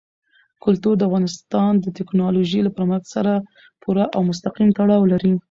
کلتور د افغانستان د تکنالوژۍ له پرمختګ سره پوره او مستقیم تړاو لري.